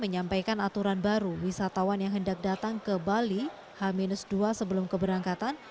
menyampaikan aturan baru wisatawan yang hendak datang ke bali h dua sebelum keberangkatan